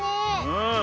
うん。